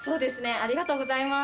ありがとうございます。